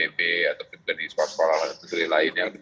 yang untuk khususnya di bidang it seperti janji presiden yang lalu itu